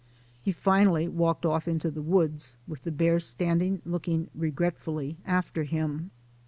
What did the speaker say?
He finally walked off into the woods, with the bear standing looking regretfully after him.